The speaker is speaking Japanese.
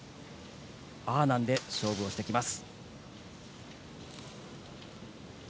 アーナンで勝負してきます。